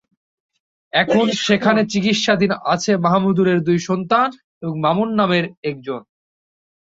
এখন সেখানে চিকিৎসাধীন আছেন মাহমুদুলের দুই সন্তান এবং মামুন নামের একজন।